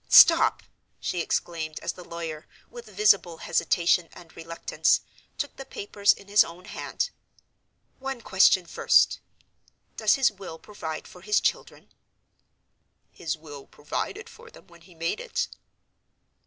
"Stop!" she exclaimed, as the lawyer, with visible hesitation and reluctance, took the papers in his own hand. "One question, first. Does his will provide for his children?" "His will provided for them, when he made it."